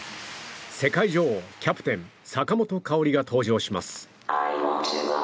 世界女王、キャプテン坂本花織が登場します。